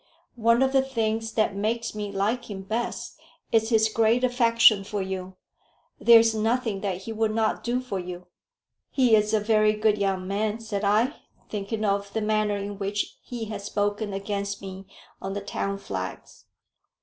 One of the things that makes me like him best is his great affection for you. There is nothing that he would not do for you." "He is a very good young man," said I, thinking of the manner in which he had spoken against me on the Town Flags.